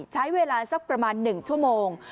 ใช้เวลาสักประมาณ๑ชั่วโมง